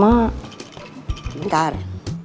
masa kamu kalah sama mak